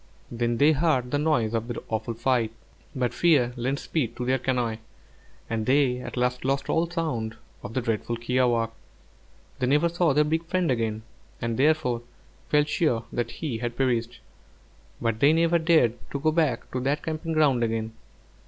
Then they heard the noise of the awful fight; but fear lent speed to their canoe, and they at last lost all sound of the dreadful kiawākq'. They never saw their big friend again, and therefore felt sure that he had perished; but they never dared to go back to that camping ground again.